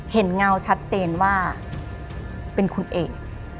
เงาชัดเจนว่าเป็นคุณเอก